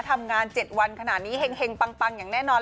ทำงาน๗วันขนาดนี้เห็งปังอย่างแน่นอน